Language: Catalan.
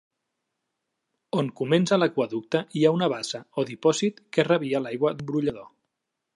On comença l'aqüeducte hi ha una bassa o dipòsit que rebia l'aigua d'un brollador.